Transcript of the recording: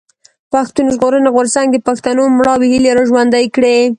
پښتون ژغورني غورځنګ د پښتنو مړاوي هيلې را ژوندۍ کړې.